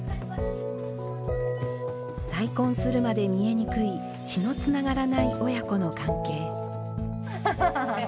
再婚するまで見えにくい血のつながらない親子の関係。